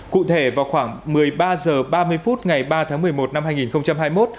cụ thể vào khoảng một mươi ba h ba mươi phút ngày ba tháng một mươi một năm hai nghìn hai mươi một